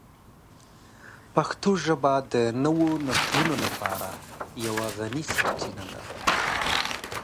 پښتو ژبه د نوو نسلونو لپاره یوه غني سرچینه ده.